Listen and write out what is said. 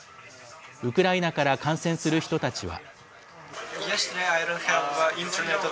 ウクライナから観戦する人たちは。